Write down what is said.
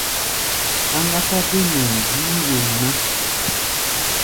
Áŋgásá bêm hɛ̧ɛ̧ zíí wen ná.